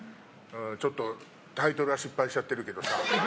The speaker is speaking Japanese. タイトルは失敗しちゃってるけどさ。